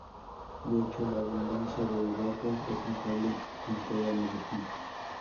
De hecho, la abundancia de urracas es notable en toda la región.